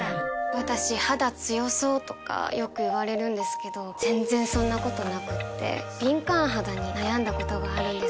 私「肌強そう」とかよく言われるんですけど全然そんなことなくて敏感肌に悩んだことがあるんです。